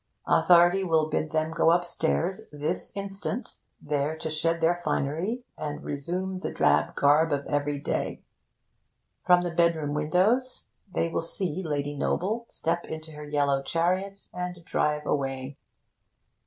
Authority will bid them go upstairs 'this instant,' there to shed their finery and resume the drab garb of every day. From the bedroom windows they will see Lady Noble step into her yellow chariot and drive away.